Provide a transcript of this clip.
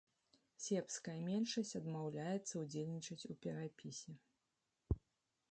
Сербская меншасць адмаўляецца ўдзельнічаць у перапісе.